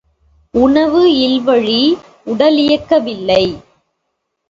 உணவு இல்வழி உடலியக்கமில்லை.